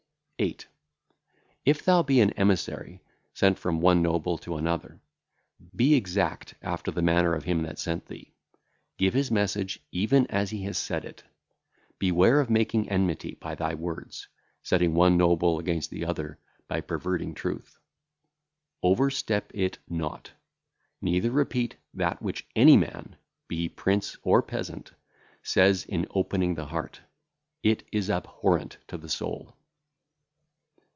8. If thou be an emissary sent from one noble to another, be exact after the manner of him that sent thee, give his message even as he hath said it. Beware of making enmity by thy words, setting one noble against the other by perverting truth. Overstep it not, neither repeat that which any man, be he prince or peasant, saith in opening the heart; it is abhorrent to the soul.